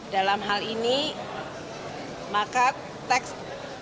dalam hal ini maka program teks amnesti di indonesia